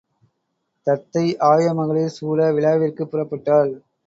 தத்தை ஆயமகளிர் சூழ விழாவிற்குப் புறப்பட்டாள்.